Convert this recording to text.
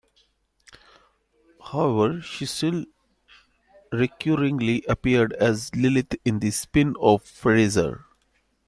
However, she still recurringly appeared as Lilith in the spin-off "Frasier".